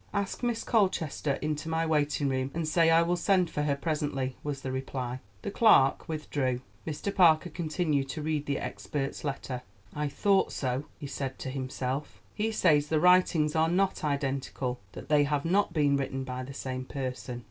"Ask Miss Colchester into my waiting room, and say I will send for her presently," was the reply. The clerk withdrew. Mr. Parker continued to read the expert's letter. "I thought so," he said to himself; "he says the writings are not identical, that they have not been written by the same person.